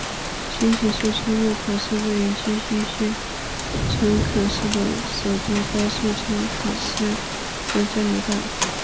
新井宿出入口是位于崎玉县川口市的首都高速川口线之交流道。